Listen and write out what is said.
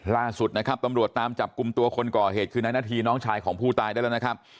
ล่าสุดนะครับตำรวจตามจับกลุ่มตัวคนก่อเหตุคือนายนาธีน้องชายของผู้ตายได้แล้วนะครับ